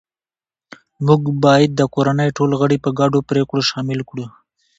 موږ باید د کورنۍ ټول غړي په ګډو پریکړو شامل کړو